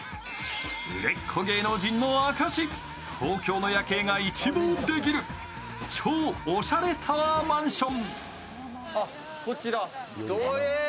売れっ子芸能人の証し、東京の夜景が一望できる超おしゃれタワーマンション。